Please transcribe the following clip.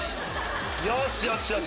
よしよしよし！